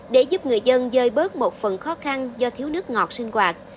để giúp người dân dơi bớt một phần khó khăn do thiếu nước ngọt sinh hoạt